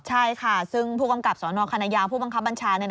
ใช่ค่ะซึ่งผู้กำกับสนคณะยาวผู้บังคับบัญชา